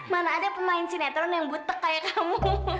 mana ada pemain sinetron yang butek kayak kamu